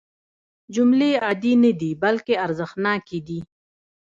جملې عادي نه دي بلکې ارزښتناکې دي.